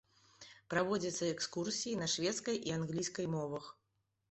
Праводзяцца экскурсіі на шведскай і англійскай мовах.